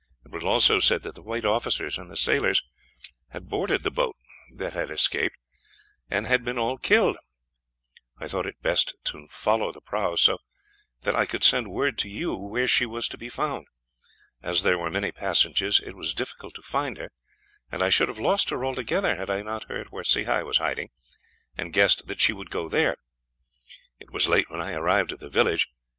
It was also said that the white officers and sailors had boarded the boat that had escaped, and had been all killed. I thought it best to follow the prahu, so that I could send word to you where she was to be found. As there were many passages, it was difficult to find her, and I should have lost her altogether had I not heard where Sehi was hiding, and guessed that she would go there. It was late when I arrived at the village.